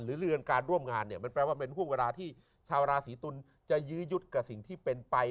เรือนการร่วมงานเนี่ยมันแปลว่าเป็นห่วงเวลาที่ชาวราศีตุลจะยื้อยุดกับสิ่งที่เป็นไป